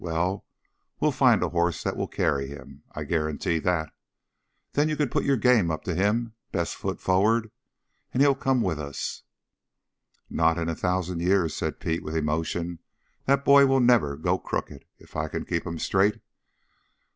Well, we'll find a hoss that will carry him. I guarantee that. Then you put your game up to him, best foot forward, and he'll come with us." "Not in a thousand years," said Pete with emotion. "That boy will never go crooked if I can keep him straight.